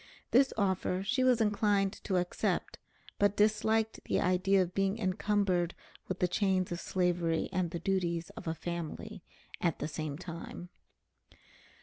This offer she was inclined to accept, but disliked the idea of being encumbered with the chains of slavery and the duties of a family at the same time.